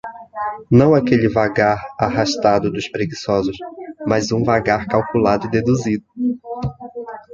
não aquele vagar arrastado dos preguiçosos, mas um vagar calculado e deduzido